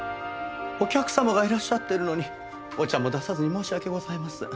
お客様がいらっしゃってるのにお茶も出さずに申し訳ございません。